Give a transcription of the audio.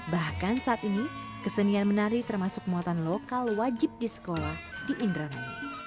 bahkan saat ini kesenian menari termasuk muatan lokal wajib di sekolah di indramayu